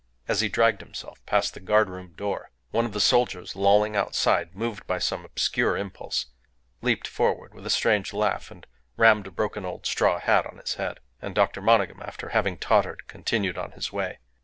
As he dragged himself past the guard room door, one of the soldiers, lolling outside, moved by some obscure impulse, leaped forward with a strange laugh and rammed a broken old straw hat on his head. And Dr. Monygham, after having tottered, continued on his way.